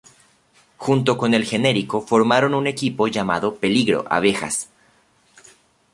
Junto con El Generico formaron un equipo llamado Peligro Abejas!.